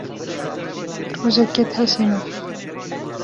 rojek ket heşê min.